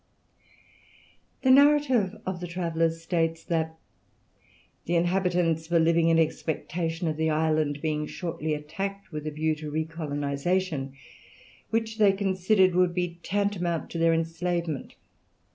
The narrative of the travellers states that "the inhabitants were living in expectation of the island being shortly attacked with the view to recolonization, which they considered would be tantamount to their enslavement.